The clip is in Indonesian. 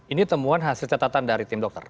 ini temuan hasil catatan dari tim dokter